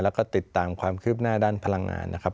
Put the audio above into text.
แล้วก็ติดตามความคืบหน้าด้านพลังงานนะครับ